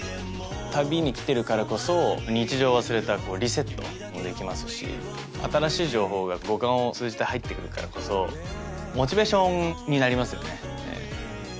旅に来てるからこそ日常を忘れたリセットもできますし新しい情報が五感を通じて入ってくるからこそモチベーションになりますよね。